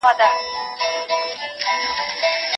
څېړونکي وویل چې حق ویل د دوی شعار دی.